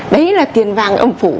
đấy là tiền vàng ẩm phủ